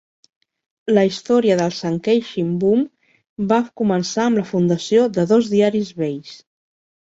La història del Sankei Shimbun va començar amb la fundació de dos diaris vells.